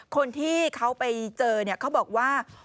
คนที่เค้าไปเจอเนี่ยเค้าบอกว่า